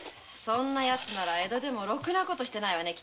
そんなヤツなら江戸でもろくな事してないわね。